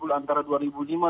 kalau tidak salah ya